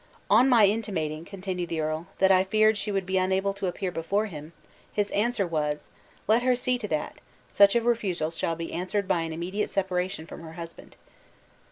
"On my intimating," continued the earl, "that I feared she would be unable to appear before him, his answer was, 'Let her see to that; such a refusal shall be answered by an immediate separation from her husband.'"